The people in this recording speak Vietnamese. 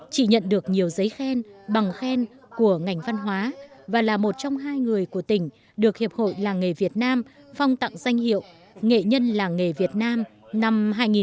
chị nhận được nhiều giấy khen bằng khen của ngành văn hóa và là một trong hai người của tỉnh được hiệp hội làng nghề việt nam phong tặng danh hiệu nghệ nhân làng nghề việt nam năm hai nghìn một mươi